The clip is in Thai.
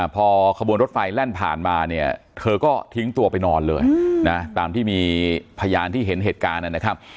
พอขบวนรถไฟแล่นผ่านมาเนี่ยเธอก็ทิ้งตัวไปนอนเลยนะตามที่มีพยานที่เห็นเหตุการณ์นะครับ